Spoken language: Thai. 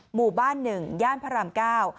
หมู่บ้านหนึ่งย่านพระรามเก้า